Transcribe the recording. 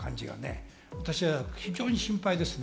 私は非常に心配ですね。